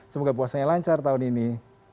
semoga puasanya lancar tahun ini